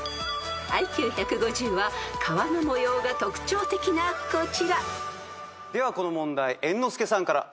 ［ＩＱ１５０は皮の模様が特徴的なこちら］ではこの問題猿之助さんから。